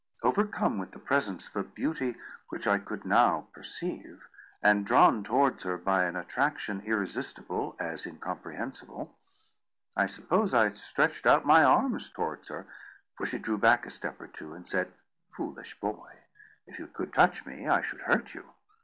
Overcome with the presence of a beauty which I could now perceive, and drawn towards her by an attraction irresistible as incomprehensible, I suppose I stretched out my arms towards her, for she drew back a step or two, and said— "Foolish boy, if you could touch me, I should hurt you.